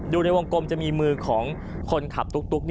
ในวงกลมจะมีมือของคนขับตุ๊ก